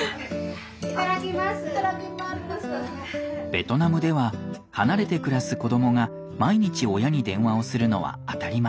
ベトナムでは離れて暮らす子どもが毎日親に電話をするのは当たり前。